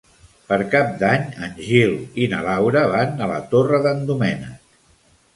Per Cap d'Any en Gil i na Laura van a la Torre d'en Doménec.